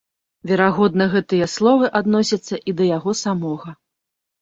Верагодна, гэтыя словы адносяцца і да яго самога.